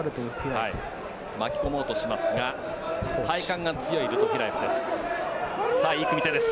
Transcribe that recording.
巻き込もうとしますが体幹が強いルトフィラエフです。